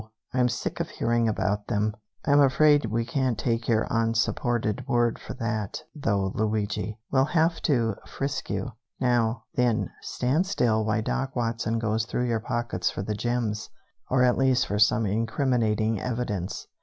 I'm sick of hearing about them!" "I'm afraid we can't take your unsupported word for that, though, Luigi. We'll have to frisk you. Now, then, stand still while Doc Watson goes through your pockets for the gems, or at least for some incriminating evidence."